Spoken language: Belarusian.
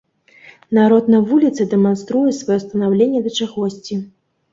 Народ на вуліцы дэманструе сваё стаўленне да чагосьці.